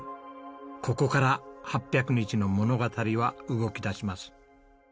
ここから８００日の物語は動き出します。